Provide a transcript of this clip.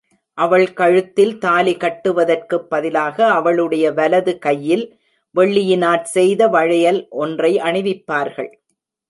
அவள் கழுத்தில் தாலி கட்டுவதற்குப் பதிலாக, அவளுடைய வலது கையில் வெள்ளியினாற் செய்த வளையல் ஒன்றை அணிவிப்பார்கள்.